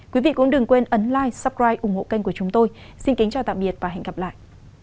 quý vị cũng đừng quên ấn lai suppri ủng hộ kênh của chúng tôi xin kính chào tạm biệt và hẹn gặp lại